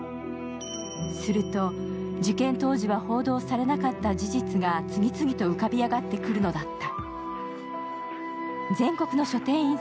すると、事件当時は報道されなかった事実が次々と浮かび上がってくるのだった。